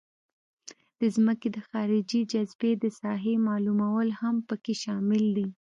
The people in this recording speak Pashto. د ځمکې د خارجي جاذبې د ساحې معلومول هم پکې شامل دي